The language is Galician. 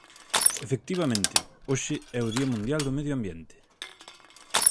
Efectivamente, hoxe é o Día Mundial do Medio Ambiente.